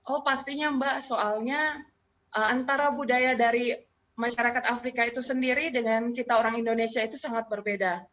oh pastinya mbak soalnya antara budaya dari masyarakat afrika itu sendiri dengan kita orang indonesia itu sangat berbeda